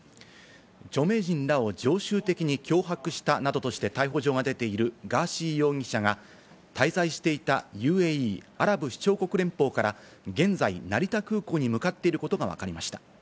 著名人らを常習的に脅迫したなどとして逮捕状が出ているガーシー容疑者が滞在していたＵＡＥ＝アラブ首長国連邦から現在、成田空港に向かっていることがわかりました。